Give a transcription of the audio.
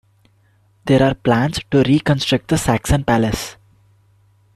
There are plans to reconstruct the Saxon Palace.